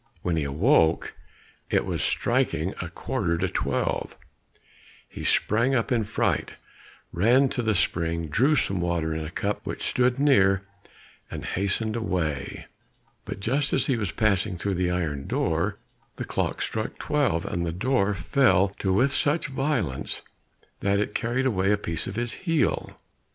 When he awoke, it was striking a quarter to twelve. He sprang up in a fright, ran to the spring, drew some water in a cup which stood near, and hastened away. But just as he was passing through the iron door, the clock struck twelve, and the door fell to with such violence that it carried away a piece of his heel.